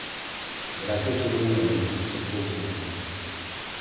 Vrátil se domů jen měsíc před svou smrtí.